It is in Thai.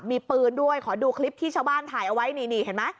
มีปืนด้วยขอดูคลิปที่ชาวบ้านถ่ายเอาไว้นี่เห็นไหม